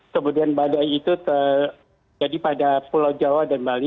kemudian badai itu terjadi pada pulau jawa dan bali